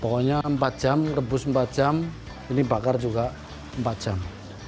pokoknya empat jam rebus empat jam ini bakar juga empat jam